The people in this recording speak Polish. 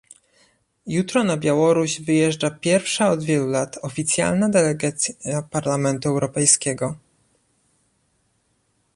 Jutro na Białoruś wyjeżdża pierwsza od wielu lat oficjalna delegacja Parlamentu Europejskiego